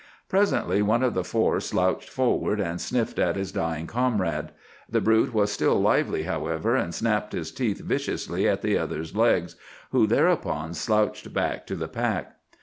"Presently one of the four slouched forward, and sniffed at his dying comrade. The brute was still lively, however, and snapped his teeth viciously at the other's legs, who thereupon slouched back to the pack.